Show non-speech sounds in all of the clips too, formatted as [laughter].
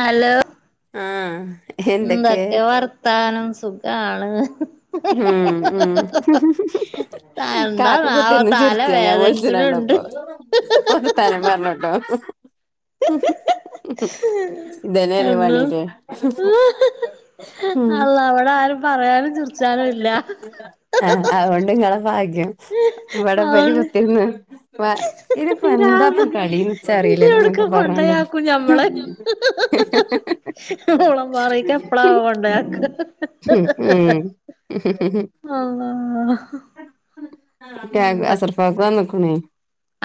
Hello ആഹ് എന്തൊക്കെ വർത്താനം സുഖാണ് ആഹ് ആഹ് ഉം കാക്ക എന്താണാവോ കുത്തിര്ന്ന് തല ചിരിച്ചാ ഞാൻ വേദനിച്ചിട്ടുണ്ട് വിളിച്ചണണ്ടപ്പൊ വർത്താനം പറഞ്ഞുട്ടോ ഇതന്നെ അല്ലേ എന്നും പണിലേ അള്ളാ ഇവിടെ ആരും പറയാനും ചിർച്ചാ ആഹ് അഓണ്ട് ഇങ്ങളെ ഭാഗ്യം ഉം വടെവല് കുത്തിര്ന്ന് വ ഇത് പ്പോ എന്താപ്പൊ പിരാന്താ കളീന്ന്ച്ചറിയില്ലല്ലോന്നൊക്കെ പറഞ്ഞണ്ട് കളിയാക്കും നമ്മളെ ഊളംപാറിക് എപ്പള വോ കൊണ്ടോയി ആക്ക ഉം ഉംഉം അള്ളാ നൊക്കെ എന്ത അസർപ്പകു വന്ന്കുണയ്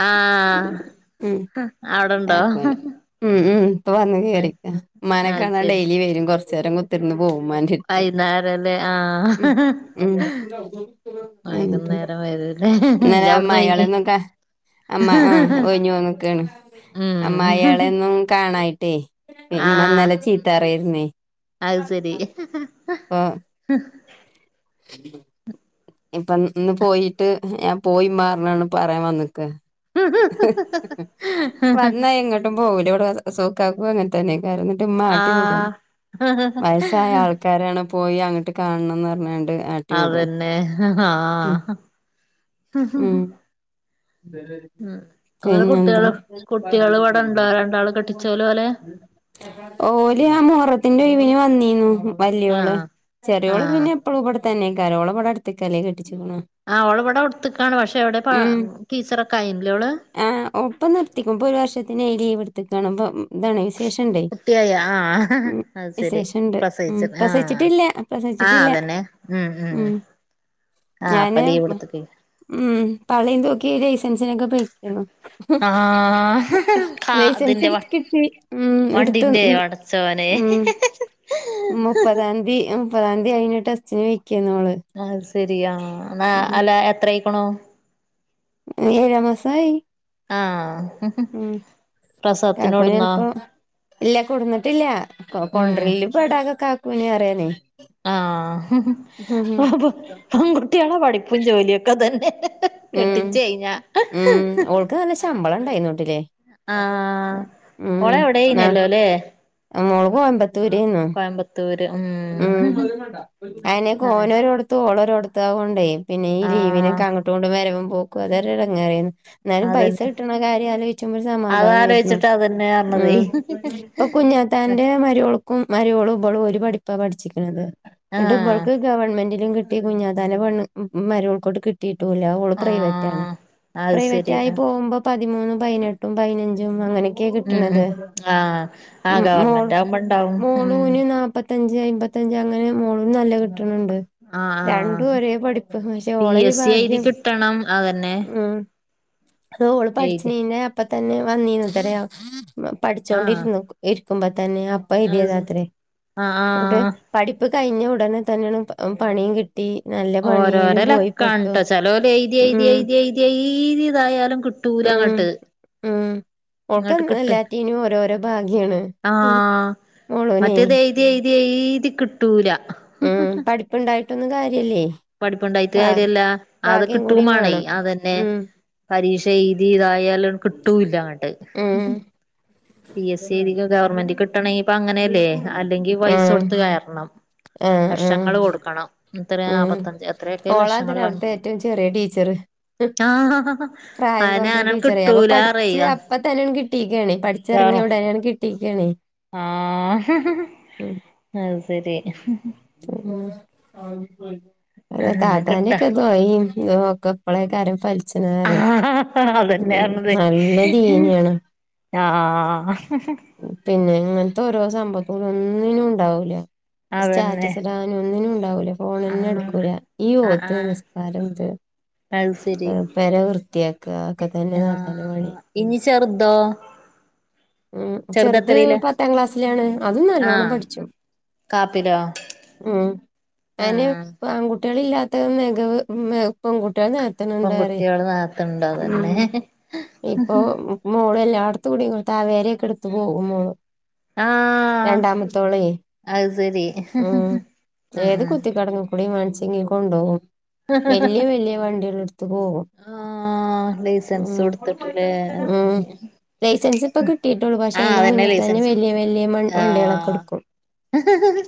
ആഹ് അവ്ടണ്ടോ കാക്കുന് ഉം ഉം ഇപ്പവന്ന് കേറിക്കാ ഇമ്മാനെ അത് കാണാന് ശരി ഡെയിലി വരും കൊറച്ചെരം കുത്തിരുന്ന് പോകുംമാന്റെട്ത്ത് വൈന്നാരല്ലേ ആഹ് ഉം എന്നിട്ട് വൈകുന്നേരം വരും ഇജ് അവിടന്ന് ഒയ്ഞ് അമ ആഹ് ഒയ്ഞ്ഞോന്നക്കാണ് അ മ്മയി ഉം യാളൊന്നും കാണായിട്ടേയ് ഇമ്മന്നലെ ചീത്താറായിരുന്നേ അഹ് സരി ഇപ്പഇന്ന് പോയിട്ട് ഞാപോയിമ്മാന്ന് പറയാ വന്ന്ക്ക വന്നാ എങ്ങട്ടും പോകൂലയ് ഇവിടെ സോക്കാക്കും അങ്ങന് തന്നെ തനേക്കാരം ന്നിട്ട് മ്മ ആട്ടി വുടും ആഹ് വയസായ ആൾക്കാരെ ആള്ക്കാരാാണ് പോയി അങ്ങ്ട്ട് കാണണം ന്ന്പറഞ്ഞ് ക്കാണ്ട് അതന്നെ ആഹ് [unintelligible] ഉം ഓലെ പിന്നെ എന്ത കുട്ടികള് കുട്ടികള് ഇവിടെ ഉണ്ടോ രണ്ടാള് കെട്ടിച്ചോല് ഓലെ ഓല് ആഹ് മുഹറത്തിന്റെ ഒയ്വിന് വന്നീന്നു വല്യയൊള് ആഹ് ചെറിയൊള് ആഹ് പിന്നെ എപ്പളുബടെ തന്നെ യ്കാരും ഓളെ ബടെ അട്ത്ത്ക്കല്ലേ കെട്ടിച്ച്ക്ക്‌ണ് ആഹ് ഓളെ ബടെ അട്ത്ത്ക്കാണ് പക്ഷെ എവിടെ ടീച്ചറൊക്കെ ആയിന്നി ലെഓള് ആഹ് ഒൾപ്പം നിർത്തിക്കും ഇപ്പൊ ഒരു വർഷത്തിന് ലീവ് ട്ത്തക്കണ് പ്പം ഇതാണെ കുട്ടിയായാ ആഹ് അത് സെരി വിശേഷണ്ട് ഉം പ്രസവിച്ചക്കാ പ്രസവിച്ചിട്ടില്ല ആഹ് പ്രസവിച്ചിട്ടില്ല അതന്നെ ഉം ഉം ആഹ് ഞാന് അപ്പലീവ്ട്ത്ത്കെ ഉം പള്ളീം തുക്കി ഈ ലൈസൻസിനൊക്കെ പേയ്ക്ക്‌ണു ആഹ് കാ ലൈസൻസ് അതിന്റെ വ എട്ത്ത് കിട്ടി ഉം ഇട്ത്ത് വണ്ടിന്റെ ഉം പടച്ചോനെ ഉം മുപ്പതാംതീ ഉം മുപ്പത്താന്തി കയ്ഞ്ഞ് ട്ടെസ്റ്റിന് പെയ്ക്കയ്നു ഓള് അഹ് സെരി ആ ന്നാ ഉം അല്ല എത്രയ്ക്ക്ണു ഏഴാമസായി ആഹ് ഉം പ്രസവത്തിനോടുന്നോ കാക്കുലപ്പോ ഇല്ലാ കൊട്ന്നിട്ടില്ല ഉം കൊണ്ടർലും പ്പടാആഹ് കാക്കുനെ അറിയാനേ ആഹ് ഉം അപ്പൊ പെണ്ക്കുട്ടിയാളെ പഠിപ്പും ജോലിയക്കെ ഇതന്നെ ഉം കെട്ടിച്ച്യ്ഞ്ഞാ ഉം ഓൾക്ക് നല്ല ശമ്പളം ഇണ്ടായിന്ന് ട്ടില്ലേ ആഹ് ഓള് ഉം ആഹ് എവിടെയിനല്ലോ അല്ലേ ആ മൊളക് കോയമ്പ തുരയ്നു കോയമ്പത്തൂര് ഉം ഉം ആഹ് അയ്നകൊഓനോരട്ത്തു ഓളോരോടത്താവണ്ടേ പിന്നെ ഈ ആഹ് ലീവിനെക്കെ അങ്ങോട്ട് ങ്ങാട്ടും വരവും പോക്കും അതൊരുഎടങ്ങാറയ്ന്നു ന്നാലുംപൈസ അതന്നെ കിട്ടണ കാര്യം ആലോയ്ചുപോഒരു സമാധാനയര്ന്നു അതാലോചിച്ചിട്ട് അതന്നെ പറഞ്ഞതേ ഉം ഇപ്പൊ കുഞ്ഞ കുഞ്ഞാതന്റെ മരോൾക്കും മരിയോളും ബളും ഒരു പഠിപ്പാ പഠിച്ചിക്കണത് എന്നിട്ട് ഇബ ആഹ് ൾക്ക് ഗവൺമെന്റിലും കിട്ടി കുഞ്ഞതാന്റെ പെണ് മരൂൾക്കോട്ട് കിട്ടിയിട്ടൂല ഓള് പ്രൈവറ്റാണ് ആഹ് അത് ശരി പ്രൈവറ്റായി ആഹ് പോവുമ്പോ പതി മൂന്നുംപയ്നട്ടുംപയ് നഞ്ചും അങ്ങ്നക്കാണ് ഉം ഉം കെകിട്ണത് ആഹ് ആഹ് ഗവർമെന്റ് ആവുമ്പോ ഇണ്ടാവും ഉം മോമോളുന് ന്നാപ്പതി പ്പതഞ്ച് അയ്മ്പത്തഞ്ച് അങ്ങനെ മോളുന് നല്ലോം കിട്ട്ണ് ണ്ട് ആഹ് രണ്ടും ഒരേപഠിപ്പ്പക്ഷേ ഓളരു സെഴ്തി കിട്ടണം അഹ് ന്നെ അ ഓള് പഠിച്ചു നീന്ന അപ്പ തന്നെ വന്നീന്ന ഇത്രടയാ ആഹ് പഠിച്ചോണ്ടിരുന്നു. ഇരിക്കുമ്പോ തന്നെ അപ്പ അത് എഴുതിയതാ ത്രേ ആഹ് ന്നിട്ട്. ആഹ് പഠിപ്പ് കഴിഞ്ഞ ഉടനെ തന്നെയാണ് പണിയും കിട്ടി നല്ല പണിയിലും പോയി പെ കെ ട്ടോ ചെലോല് എഴുതി എഴുതി എഴുതി എഴുതി എഴുതി ഇതായാലും കിട്ടൂല ഉം ങ്ങട്ട്. ഉം ഓൾക്ക് എല്ലാറ്റിനും ഓരോരോ ഭാഗ്യാണ് മോളുനെ. ഇതെയ് തി എയ്തി കിട്ടൂല. ഉം പഠിപ്പുണ്ടായിട്ടൊന്നും കാര്യല്ലേ? പഠിപ്പ്ണ്ടായിട്ട് ഭാ കാര്യല്ല അത് ഭാഗ്യം കൂടി കിട്ടുമാണെയ് വേണം. അതന്നെ. ഉം പരീക്ഷ എയ്തി ഇതായാലും കിട്ടൂല്ല അങ്ങട്ട്. ഉം പി എസ് സി എഴുതി ഗവൺമെന്റ് കിട്ടണെങ്കി പൊ അങ്ങനെയല്ലേ അല്ലെങ്കി പൈസ ഉം കൊടുത്ത് കേറണം. ആഹ് ലക്ഷങ്ങൾ കൊടുക്കണം ഇത്ര നാ ൽപ് ഓളാ ത്രെ അവിടുത്തെ ഏറ്റവും ചെറിയ ടീച്ചറ്. ആഹ് പ്രായം അയന്നെ കുറഞ്ഞ അങ്ങനെ ടീച്ചറെ അപ്പൊ കിട്ടൂല പഠിച്ച് അറിയ അപ്പ തന്നെ ണ് കിട്ടീക്കാണേ പഠി ചെറങ്ങിയ ഉടനെ ങ്ങട് കിട്ടിക്കാണേ? ആഹ അത്ശരി. [unintelligible] അങ്ങനെ കിട്ടാ താത്താന്റെക്കെ ദൊയിഒകെ ഇപ്പളേ കാരും ഫലി ആ അതന്നെയാണത് നല്ല ദീനിയാണ് ആഹ പിന്നെ ഇങ്ങനത്തെ ഓരോ സംഭവത്ത് ന് ഒന്നിനും ഉണ്ടാവൂല്ല അതന്നെ സ്റ്റാറ്റസ് ഇടാൻ ഒന്നിനും ഉണ്ടാവൂല ഫോണന്നെ ആഹ് ഇടുക്കൂല ഈ ആഹ് ഓത്ത് ആഹ് നിസ്കാരം ഇത്. [unintelligible] പെര വൃത്തിയാക്ക ഒക്കെ തന്നെ ത്താ താന്റെ പണി. ആഹ് ഇനി ചെറുതോ? ഉം ചെറുത് ചെറുതെത്രയിലാ പത്താം ക്ലാസ്സിലാണ് അതും നല്ലോണ്ണം ആഹ് പഠിച്ചും കാപ്പിലോ? ഉം അയിന് ആഹ് ആൺകുട്ടികൾ ഇല്ലാത്ത നികവ് പെൺകുട്ടികൾ നിക ത്ത്ണ്ണ്ട്‌ പറയ പെൺകുട്ടികള് നാത്തുണ്ടോ ഉം തന്നെ ഇപ്പൊ. മോള് എല്ലായിടത്തു കൂടി താവേരൊക്കെ എടുത്ത് പോകും മോളു. ആഹ് രണ്ടാമത്തോളെയ് അത് ശരി ഉം ഉം ഏത് ഉം കുത്തി കെ ടങ്ങും. എവടി മാണച്ചെങ്കിൽ കൊണ്ടുപോകും വലിയ വല്യ വണ്ടികളെ എടുത്ത് പോകും. ആഹ് ലൈസൻസ് ഉം കൊടുത്തിട്ടില്ലേ ഉം ലൈസൻസ്. ഇപ്പൊ കിട്ടിട്ടൊള്ളൂ പക്ഷെ ആഹ് അതിന്റെ അതന്നെ മുന്നേ തന്നെ ലൈസൻസ് വലിയ വലിയ മ വണ്ടികളൊക്കെ ആഹ് എടുക്കും.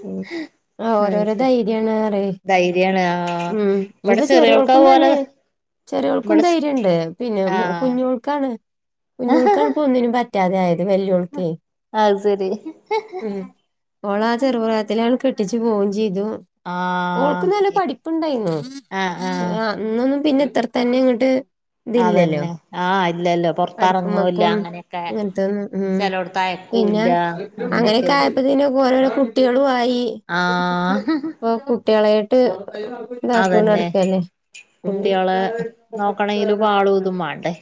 ഉം ആ ഉം ഓരോരോ ധൈര്യാണ് പറയെയ്. ധൈര്യാണ് ആഹ് ഉം ഇവിടെ ഇഞ്ഞിപ്പൊ ചെറിയോൾക്ക് ചെറിയോൾക്കും അതുപോലെ തന്നെ. ചെറിയോൾക്കും ഇവിടെ ധൈര്യണ്ട് പിന്നെ ആഹ് കുഞ്ഞോൾക്കാണ് കുഞ്ഞോൾക്കാണ് ഇപ ഒന്നിനും പറ്റാ റ്റാതായത് വെല്ലിയോള്ക്കെയ്. അത് ശരി ഉം ഓളാ ചെറുപ്രായത്തിലാണ് കെട്ടിച്ചു പോവും ചെയ്തു. ഓൾക്ക് ആഹ് നല്ല പഠിപ്പുണ്ടായിന്നു. ആഹ് ആഹ് അന്നൊന്നും പിന്നെ ഇത്ര തന്നെ ഇങ്ങട്ട്. ഇതില്ലല്ലോ അതന്നെ ആഹ് ഇല്ലല്ലോ പൊറത്തെറങ്ങൂല്ല അങ്ങനെ. ഇങ്ങനത്ത തൊന്നും ഉം പിന്നെ അങ്ങനെയൊക്കെ ആയപ്പതിന് ഓക്ക് ഓരോരോ കു കുട്ടിയാളു ആയി ആഹ് ഇപ്പ കുട്ടികളേട്ട്. അതന്നെ കുട്ടികളെ നോക്കണങ്കില് പാളും ഇതും മാ ണ്ടേ.?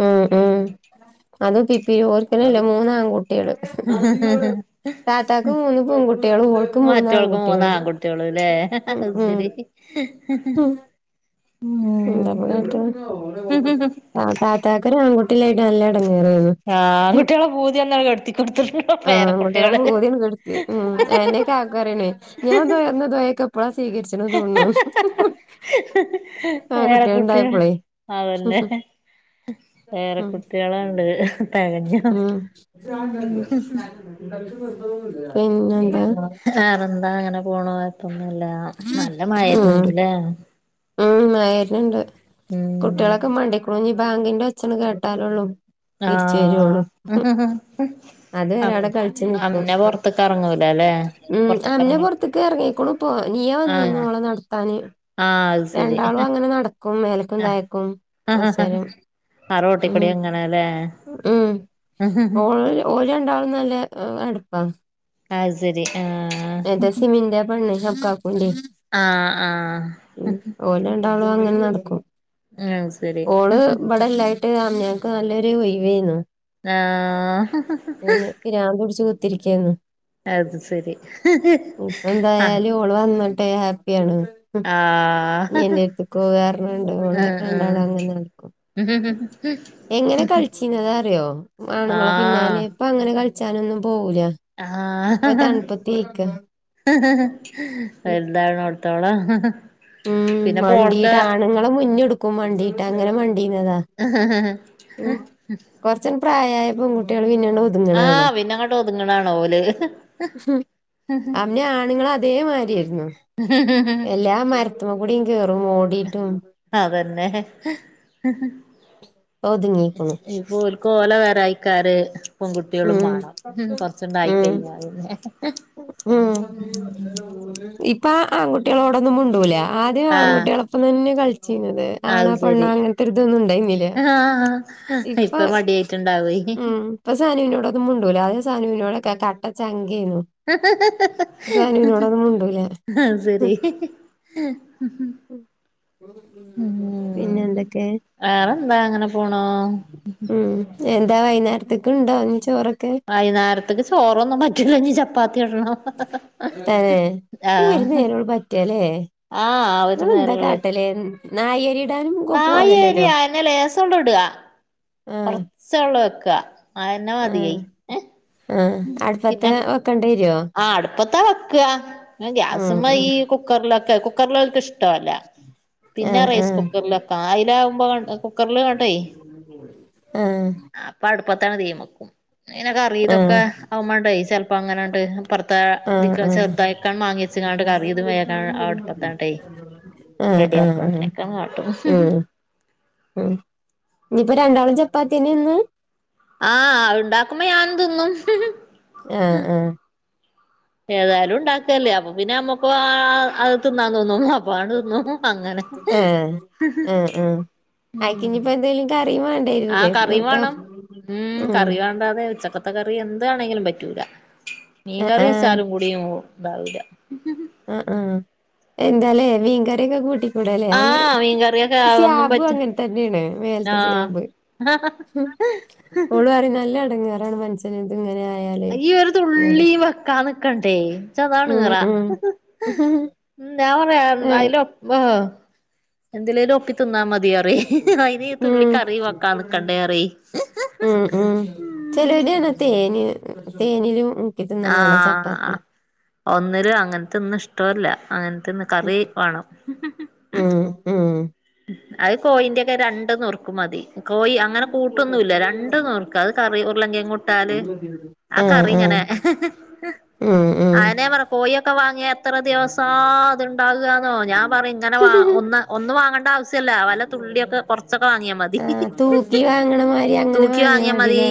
ഉം ഉം അത് പിപ്പിരി ഓർക്കനല്ലേ മൂന്നാൻ കുട്ടിയാള്. താത്തക്ക് മൂന്ന് പെൺകുട്ടികളും ഓൾക്ക് മൂന്ന് ആൺകുട്ടികളും. കുട്ട്യാള്ല്ലേ ഉം അത് ഉം ശരി. ഉം [unintelligible] ആ താത്താ കൊരു ആൺകുട്ടി. ല്ലായിട്ട് നല്ല ഇടങ്ങേറേരുന്നു ആൺകുട്ടികളെ പൂതി ഒന്നും കെടുത്തി കൊടുത്തിട്ടുണ്ടോ ആൺകുട്ടിയാളെ പേരക്കുട്ടികള് പൂതി. ഉം എന്നേക്കെ ആക്കാരണേ ഞാൻന്ന ദോയക്കെപ്പഴളാ സ്വീരിച്ചു തോന്നു [unintelligible] ആൺകുട്ടിയ ഇണ്ടായിപ്പോളെ അതന്നെ [unintelligible] ഉം പേരക്കുട്ടികളുണ്ട് തികഞ്ഞു ഉം പിന്നെ ന്താ വേറെന്താ അങ്ങനെ പോണ്. കൊഴപ്പന്നുല്ല. നല്ല ഉം മഴര്ന്ണ്ട് ല്ലേ. ഉം ആയിണ്ട് ഉം കുട്ടികളൊക്കെ മടിക്കണു ഇനീ ബാങ്കിന്റെ ഒച്ചന് കേട്ടാലുള്ളു ആഹ് അത് വെരെ അം അയുടെ കൾച്ച് നിക്കും അമ്മ പൊറത്ത്ക്ക് എറങ്ങൂല ല്ലേ ഉം അംന പൊറത്ത്ക്കെറങ്ങി പൊർത്ത്ക്ക് എറങ്ങിക്കുണു ഇപ്പോ ഇഞ്ഞി യ്യ വന്നീന്ന് ആഹ് ഓളെ നടത്താന് ആഹ് അത് ശരി രണ്ടാളും അങ്ങനെ നടക്കും മേലക്കും തായക്കും ആഹ് കുറച്ചേരം ആ ഉം റോട്ടിക്കൂടി അങ്ങനെല്ലേ ഉം ഓളില് ഓര് രണ്ടാളും നല്ല അടുപ്പാ ആയ്ശരി ആഹ് എന്റെ സിമിന്റെ ആ പെണ്ണ് യ് അബ് കാക്കുന്റെ ആഹ് ആഹ് ഓല് രണ്ടാളുംങ്ങനെ നടക്കും അത് ശരി ഓള് ഇമ്പടെല്ലായി ട്ട് ആഹ് ഞങ്ങക്ക് നല്ലൊരു വൈബെയ്രുന്നു ആഹ് പിരാൻന്ത് പിടിച്ച് കുത്തിരിക്കായിരുന്നു അത് ശരി ഇപ്പ ആഹ് എന്തായാലും ഓള് വന്നട്ടെ ഹാപ്പി ആണ് ഉ ആഹ് എന്റെത്തിക്കോ കാരണംണ്ട് ഓള ആഹ് രണ്ടാളും അങ്ങനെ നടക്കും എങ്ങനെ കഴിച്ചിന്നത അറിയോ ആണുങ്ങളെ ആഹ് ആഹ് പിന്നാലെ ഇപ്പൊ അങ്ങനെ കളിച്ചാനൊന്നും പോവുല്ല ആഹ് എന്താടുത്തോളാ ഉം വണ്ടീട ആണുങ്ങളെ മുന്നെടുക്കും വണ്ടീട്ട് അങ്ങനെ വണ്ടീന്നതാ ഉം കൊറച്ച് ആണ്ട് പ്രായം ആയാൽ പെങ്കുട്ടിയാൾ പിന്നെ ആണ്ട് ഒത് ആഹ് പിന്നെ അങ്ങോട്ട് ഒതുങ്ങനാണ് ഓല് ഹും അന്നേ ആണുങ്ങൾ അതേമാതിരിയായിരുന്നു എല്ലാ മരത്തമ്മ കൂടിം കേറും ഓടിട്ടും ഇപ്പോ ഓൽക്ക് ഓലെ വേറെ ആയിക്കാറ് പെൺകുട്ടികളും ഉം വേണം കൊറച്ചണ്ടായി ഉം കഴിഞ്ഞ പിന്നെ ഉം ഇപ്പ ആൺകുട്ടികളോടൊന്നും മിണ്ടൂല ആദ്യം ആഹ് ആൺകുട്ടികളൊപ്പം തന്നെ കളിച്ചീന്നത് ആണ അത് പെണ്ണ ശരി അങ്ങനത്തെരിതൊന്നും ഇണ്ടായിരുന്നില്ല ആഹ് ഇപ്പൊ ഉം സാനുനോടൊന്നും മുണ്ടൂലാ ആദ്യം സാനുനോടൊക്കെ കട്ടച്ചങ്കെയ്നു മുണ്ടൂല അഹ് ശരി ഹ് ഹ്ഹ്ഹ് പിന്നെ എന്തൊക്കെ വേറെന്താ അങ്ങനെ പോണു ഉം എന്താ വൈകുന്നേരത്തേക്ക് ഇണ്ടോ നി ചോറൊക്കെ വൈനരത്ത്ക്ക് ചോറൊന്നും പറ്റൂലാ ഇഞ്ഞ് ചപ്പാത്തി ചുടണം തതേ ഈ ആഹ് ഒരുനേരംഉൾ പറ്റല്ലേ ആഹ് ഒരു ഇങ്ങൾ എന്താ നേരള്ളേ കാട്ടലേ നാഴിയരി ഇടാനും ഒക്കെ നായി വരി പോലല്ലല്ലോ കുറച്ചവിടെ വെക്ക ആഹ് ആഹ് അടുപ്പത് വെക്കേണ്ടി വരുവോ. ആഹ് അടുപ്പത്ത വെക്കുക ഉം ഗ്യാസ്മ്മ ഉം ഈ കുക്കറിലൊക്കെ കുക്കറില് ഓല്ക്ക് ഇഷ്ട ഇഷ്ടല്ല ആ പിന്നെ ആ റൈസ് കുക്കറില് വെക്കെണം അയിലകുമ്പോ കുക്കറിൽങ്ങ്ട്ടെ. [unintelligible] ആഹ്. അപ്പൊ അടുപ്പത്താണ് തീമക്കും പിന്നെ കറിയും ആ ഇതൊക്കെ ആ അവുമ്മണ്ടയ് ചിലപ്പോ അങ്ങനെണ്ട്. പുറത്ത ആ ഇ ചെറുത്ക്കണ് വാങ്ങിവെച്ച് കറീതും വേകണ് ആഹ് അടുപ്പത്തങ്ങട്ടയ്. ആ ആ റെഡിയാക്കും ആ ഉം അങ്ങനെയൊക്കെ കാട്ടും. ഉം ഇനിയിപ്പോ രണ്ടാളും ചപ്പാത്തിനെ തിന്ന. ആഹ് ഉണ്ടാക്കുമ്പോ ഞാൻ തിന്നും. ആഹ് ആഹ്. ഏതായാലും ഉണ്ടാക്കല്ലേ അപ്പൊ പിന്നെ നമ്മുക്ക് അത് തിന്നാന്ന് തോന്നും. അപ്പൊ അങ്ങ്ട് തിന്നും അങ്ങനെ ആ ഉം കറീം വേണ്ടേ. ആഹ് കറി വേണം ഉം കറി വേണം. കടാതെ ഉച്ചക്കത്തെ കറി എന്താണെങ്കിലും പറ്റൂല മീൻ ആ കറി ആ വെച്ചാലും കൂടിയും ഉണ്ടാവൂല. ആഹ് ആഹ് എന്താലേ വീൻകറിഒക്കെ കൂട്ടി. ഇവിടല്ലേ അങ്ങനെ ആഹ് മീൻകറിയൊക്കെ ആവൊന്നും സ്യാബ് പറ്റ അങ്ങനെ തന്നെയാണ് മേലത്തെ സ്വാബ്. ആഹ് ഉം ഓളറി നല്ല എടങ്ങറാണ് മന്സ. അച്ഛത്ങ്ങനെ ആയാലേ ഈ ഒരു തുള്ളി വെക്കാൻ നിക്കണ്ടേ ഇച്ച് ഉം ഉം [unintelligible] ഉം ഞാൻ പറയാ ഉം അയ്ല് എന്തിലേലും ഒപ്പി ച്ച്തിന്നാ മതിയറിം അയിന് തുള്ളി കറി വെക്കാ നിക്കണ്ടേ പറയ്. ഉം ഉം ചെലോരണ തേന്ല് തേനിൽ മുക്കി തിന്നണാണ ചപ്പാത്തി. ഒന്നര അങ്ങനത്തെൊന്നും ഇഷ്ടല്ല അങ്ങനത്തെന്ന് കറി വേണം. ഉം ഉം അത് കോയിന്റെക്കെ രണ്ട് നുറുക്കും മതി കോയി അങ്ങനെ കൂട്ടൊന്നും ഇല്ല രണ്ട് നുർക്. അത് കറി ഉർളം കേങ്ങ്. ട്ടാല് ആഹ് കറിങ്ങനെ ഉം ഉം ആയനെ പറ. കോയിഒക്കെ വാങ്ങിയ എത്ര ദിവസ അത്ണ്ടാകന്നോ ഞാൻ പറയും ഇങ്ങനെ വാ ഒന്ന്. ഒന്നു വാങ്ങേണ്ട ആവശ്യല്ല വല്ല തുള്ളിയൊക്കെ കുറച്ച്. ച്ചാക്ക വങ്ങിയ മതി ആഹ് തൂക്കി വാങ്ങണ മാതിരി അങ്ങനെ തൂക്കി വാങ്ങിയാ വങ്ങിയ മതി. മതില്ലേ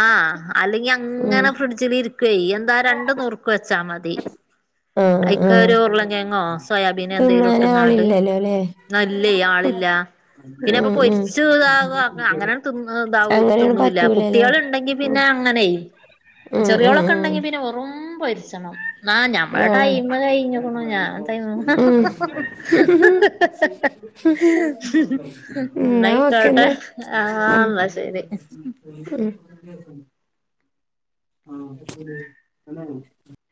ആഹ് അല്ലെങ്കി ഉം അങ്ങനെ ഫ്രിഡ്ജിൽ ഇരിക്കുവയ് എന്താ രണ്ട് നൂർക്. വെച്ചാ മതി ആഹ് അയിക് ആഹ് ഒരു ഉരുളങ്കേങ്ങോ സോയാബീൻ എന്തെലും ഇട്ട്ങ്ങാണ്ട്. അതേലേ. നല്ലേ ആളില്ല. പിന്നെ അപ്പൊ ഉം ഉം പൊരിച്ചു ഇതക അങ്ങനാണ് അങ്ങനെയൊന്നും തിന്നില്ല പറ്റൂലല്ലോ കുട്ടികൾ ഉണ്ടെങ്കിൽ. ഉം പിന്നെ അങ്ങനെ ഉം ഉം ചെറിയോളൊക്കെ ഉം ഉണ്ടെങ്കി പിന്നെ വെറും പൊരിച്ചണം. ആഹ് ഞമ്മള ആഹ് ടൈം കഴിഞ്ഞക്ണു ഞാൻ [unintelligible] ഉം എന്ന എന്നാ ആയിക്കോട്ടെ ഓക്കെന്നാ ആന്ന ശരി. [unintelligible] ആഹ് [unintelligible]